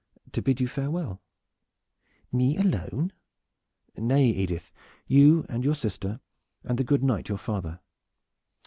"To bid you farewell." "Me alone?" "Nay, Edith, you and your sister Mary and the good knight your father."